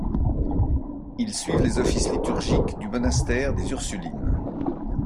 Ils suivent les offices liturgiques du monastère des ursulines.